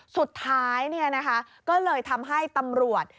สุดท้ายก็เลยทำให้ตำรวจ